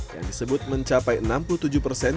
yang disebut mencapai enam puluh tujuh persen